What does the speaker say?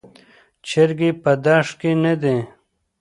چرګې په دښت کې نه دي.